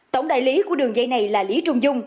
tổng đại lý của đường dây này là lý trung dung